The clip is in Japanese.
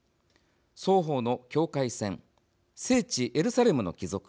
双方の境界線聖地エルサレムの帰属